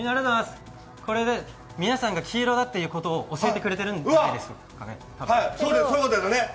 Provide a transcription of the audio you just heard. これで皆さんが黄色だということを教えてくれてるんですよね。